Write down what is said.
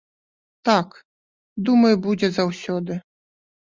Так, думаю, будзе заўсёды.